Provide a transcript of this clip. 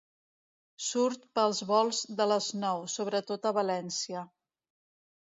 Surt pels volts de les nou, sobretot a València.